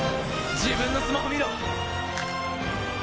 自分のスマホ見ろ！